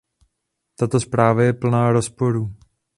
Tato zpráva je plná rozporů.